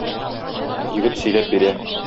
Егет сөйләп бирә.